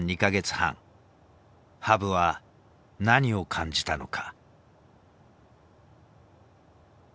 羽生は何を感じたのか。